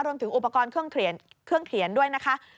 รวมถึงอุปกรณ์เครื่องเขียนด้วยนะคะ